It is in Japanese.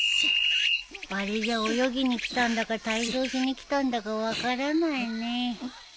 あれじゃ泳ぎに来たんだか体操しに来たんだか分からないね。